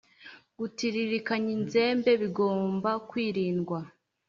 gutiririkanya inzembe bigomba kwirindwa